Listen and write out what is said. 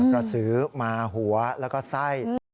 กระสือมาหัวแล้วก็ไส้